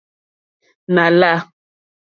Nà lâ.